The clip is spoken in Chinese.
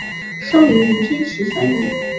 生于明天启三年。